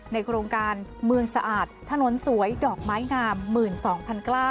ในโครงการมืนสะอาดถนนสวยดอกไม้งามหมื่นสองพันกล้า